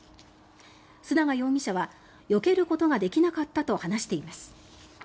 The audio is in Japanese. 須永容疑者はよけることができなかったと話しています。